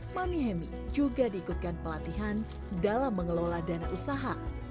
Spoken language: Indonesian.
mami hemi juga diikutkan pelatihan dalam mengelola dana usaha